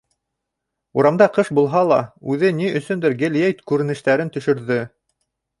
Урамда ҡыш булһа ла, үҙе ни өсөндөр гел йәй күренештәрен төшөрҙө.